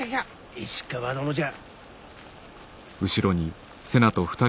石川殿じゃ。